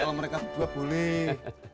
kalau mereka dua boleh